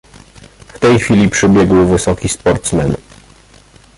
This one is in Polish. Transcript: "W tej chwili przybiegł wysoki sportsmen."